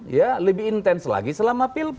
ya lebih intens lagi